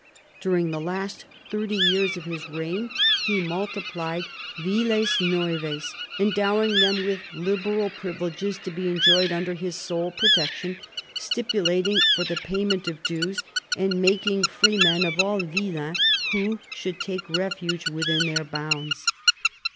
During the last thirty years of his reign he multiplied miles neuves, endowing them with liberal privileges to be enjoyed under his sole protection, stipulating for the payment of dues, and making free men of all villeins who should take refuge within their bounds.